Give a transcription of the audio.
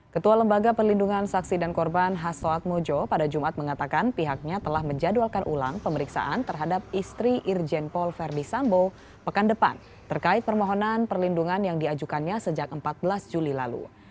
ketua lembaga perlindungan saksi dan korban hassoak mojo pada jumat mengatakan pihaknya telah menjadwalkan ulang pemeriksaan terhadap istri irjen paul verdi sambo pekan depan terkait permohonan perlindungan yang diajukannya sejak empat belas juli lalu